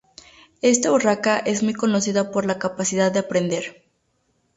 Esta urraca es muy conocida por la capacidad de aprender.